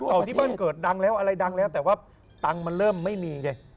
ที่บ้านเกิดดังแล้วอะไรดังแล้วแต่ว่าตังค์มันเริ่มไม่มีไง